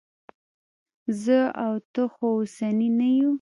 زه او ته خو اوسني نه یو.